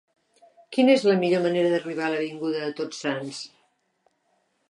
Quina és la millor manera d'arribar a l'avinguda de Tots Sants?